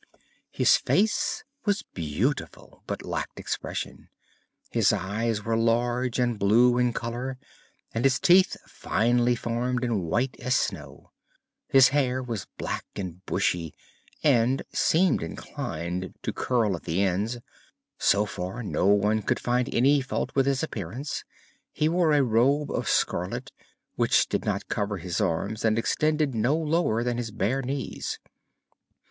His face was beautiful, but lacked expression. His eyes were large and blue in color and his teeth finely formed and white as snow. His hair was black and bushy and seemed inclined to curl at the ends. So far no one could find any fault with his appearance. He wore a robe of scarlet, which did not cover his arms and extended no lower than his bare knees.